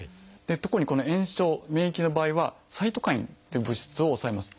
特に炎症免疫の場合はサイトカインっていう物質を抑えます。